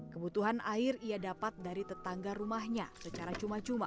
kebutuhan air ia dapat dari tetangga rumahnya secara cuma cuma